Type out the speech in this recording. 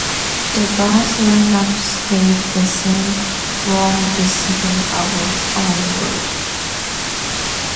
The band's lineup stayed the same from the second album onwards.